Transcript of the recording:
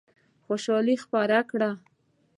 خوشالي خپره کړه.